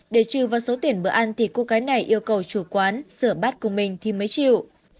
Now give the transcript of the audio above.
để trừ vào số tiền bữa ăn thì cô gái này yêu cầu chủ quán sửa bát của mình thì mới chịu